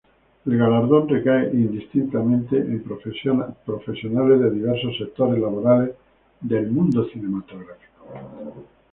El galardón recae indistintamente en profesionales de diversos sectores laborales del mundo cinematográfico.